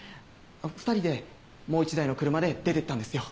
２人でもう１台の車で出てったんですよ。